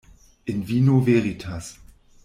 In vino veritas.